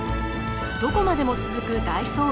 どこまでも続く大草原。